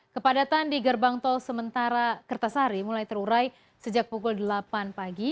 kepadatan di gerbang tol sementara kertasari mulai terurai sejak pukul delapan pagi